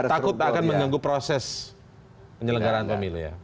takut tak akan menyanggung proses penyelenggaraan pemilu ya